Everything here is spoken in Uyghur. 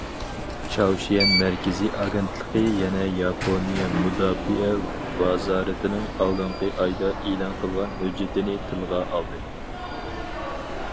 چاۋشيەن مەركىزىي ئاگېنتلىقى يەنە ياپونىيە مۇداپىئە ۋازارىتىنىڭ ئالدىنقى ئايدا ئېلان قىلغان ھۆججىتىنى تىلغا ئالدى.